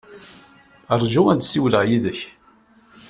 Ṛju ad ssiwleɣ yid-k.